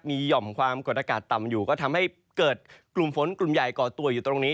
มีหย่อมความกดอากาศต่ำอยู่ก็ทำให้เกิดกลุ่มฝนกลุ่มใหญ่ก่อตัวอยู่ตรงนี้